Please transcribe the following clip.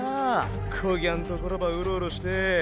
こぎゃんところばウロウロして。